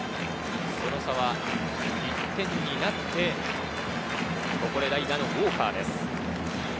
その差は１点になって、ここで代打のウォーカーです。